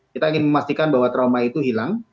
kita ingin memastikan bahwa trauma itu hilang